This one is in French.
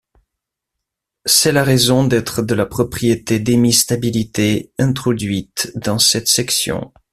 C'est la raison d'être de la propriété d'hémi-stabilité introduite dans cette section.